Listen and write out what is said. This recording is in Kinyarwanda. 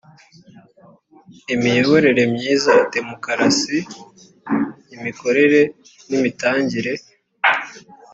imiyoborere myiza demokarasi imikorere n imitangire